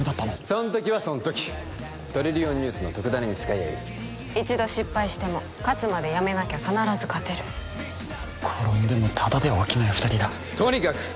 その時はその時トリリオンニュースの特ダネに使えやいい一度失敗しても勝つまでやめなきゃ必ず勝てる転んでもただでは起きない二人だとにかく！